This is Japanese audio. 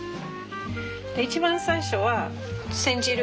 で一番最初は煎じる。